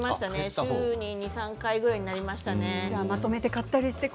週に２回３回くらいになりましたね。